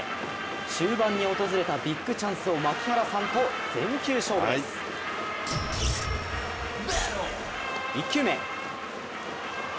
終盤に訪れたビッグチャンスを槙原さんと全球勝負です、１球目。